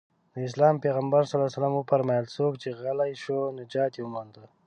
د اسلام پيغمبر ص وفرمايل څوک چې غلی شو نجات يې ومونده.